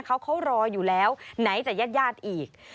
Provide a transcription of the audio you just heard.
เขารออยู่แล้วไหนจะญาติญาติอีก